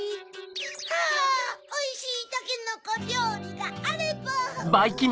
あぁおいしいたけのこりょうりがあれば。